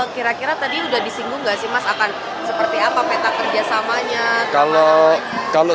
kira kira tadi udah disinggung nggak sih mas akan seperti apa peta kerjasamanya kalau